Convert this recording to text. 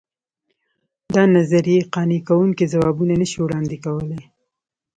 دا نظریې قانع کوونکي ځوابونه نه شي وړاندې کولای.